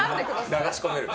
流し込める。